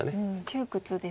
窮屈ですか。